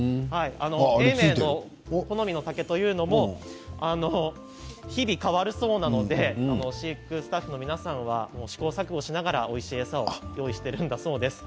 好みの竹というのも日々変わるそうなので飼育スタッフの皆さんは試行錯誤しながら、おいしい竹を用意しているそうです。